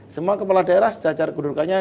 semua kepala daerah sejajar gubernurnya